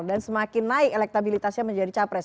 dan semakin naik elektabilitasnya menjadi capres